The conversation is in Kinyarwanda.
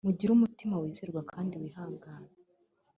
mugire umutima wizerwa kandi wihangana